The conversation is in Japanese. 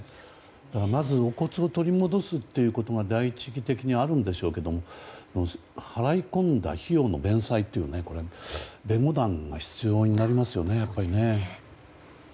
まず遺骨を取り戻すということが第一義的にあるんでしょうけども払い込んだ費用の弁済は弁護団が必要になりますよね。